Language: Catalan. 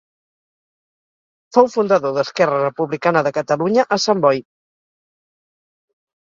Fou fundador d'Esquerra Republicana de Catalunya a Sant Boi.